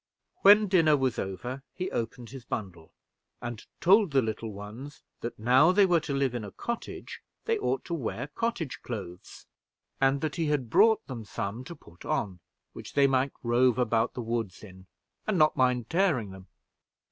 When dinner was over, he opened his bundle, and told the little ones that, now they were to live in a cottage, they ought to wear cottage clothes, and that he had bought them some to put on, which they might rove about the woods in, and not mind tearing them.